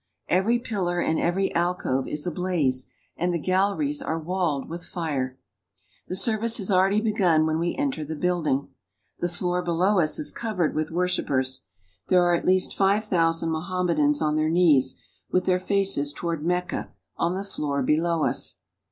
Every pillar and every alcove is ablaze, and the galleries are walled with fire. The service has already begun when we enter the building. The floor below us is covered with worshipers. There are at least five thousand Moham medans on their knees, with their faces toward Mecca, on that floor below us.